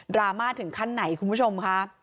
ราม่าถึงขั้นไหนคุณผู้ชมค่ะ